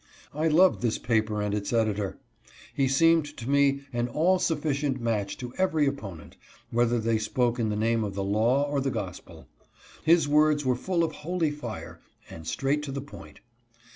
I loved this paper and its editor. He seemed to me an all sufficient match to every opponent, whether they spoke in the name of the law or the gospel. His words were full of holy fire, and straight to the point.